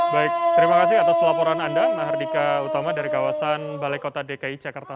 baik terima kasih atas laporan anda mahardika utama dari kawasan balai kota dki jakarta